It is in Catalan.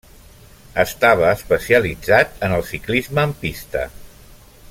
Estava especialitzat en el ciclisme en pista.